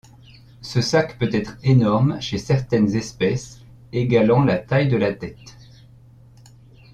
Ce sac peut être énorme chez certaines espèces, égalant la taille de la tête.